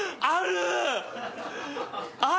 ある！